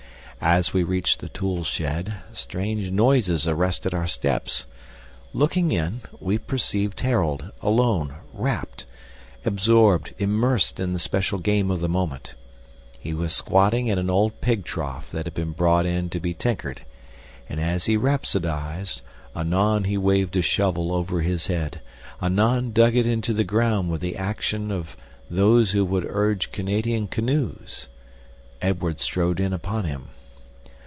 As we reached the tool shed, strange noises arrested our steps; looking in, we perceived Harold, alone, rapt, absorbed, immersed in the special game of the moment. He was squatting in an old pig trough that had been brought in to be tinkered; and as he rhapsodised, anon he waved a shovel over his head, anon dug it into the ground with the action of those who would urge Canadian canoes. Edward strode in upon him.